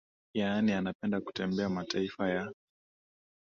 yaani anapenda kutembea mataifa ya